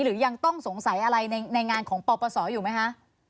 หรือยังต้องสงสัยอะไรในงานของปปศอยู่ไหมคะ